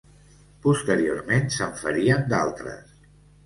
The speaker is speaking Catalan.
Posteriorment se'n farien d'altres.